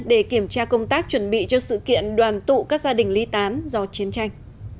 để kiểm tra công tác chuẩn bị cho sự kiện đoàn tụ các gia đình ly tán do chiến tranh